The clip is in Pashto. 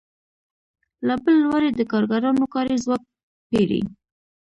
له بل لوري د کارګرانو کاري ځواک پېري